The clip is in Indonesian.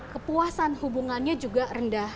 kepuasan hubungannya juga rendah